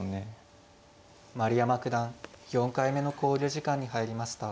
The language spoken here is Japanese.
丸山九段４回目の考慮時間に入りました。